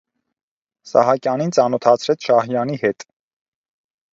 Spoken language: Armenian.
Սահակյանին ծանոթացրեց Շահյանի հետ: